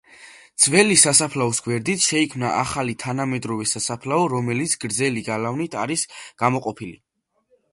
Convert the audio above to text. ძველი სასაფლაოს გვერდით შეიქმნა ახალი თანამედროვე სასაფლაო, რომელიც გრძელი გალავნით არის გამოყოფილი.